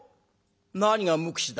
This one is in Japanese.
何が無口だ？